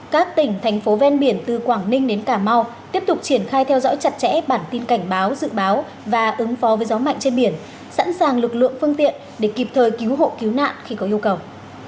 các tỉnh thành phố ven biển từ quảng ninh đến cà mau tiếp tục triển khai theo dõi chặt chẽ bản tin cảnh báo dự báo và ứng phó với gió mạnh trên biển sẵn sàng lực lượng phương tiện để kịp thời cứu hộ cứu nạn khi có yêu cầu